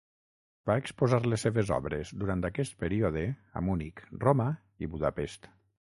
Va exposar les seves obres durant aquest període a Munic, Roma i Budapest.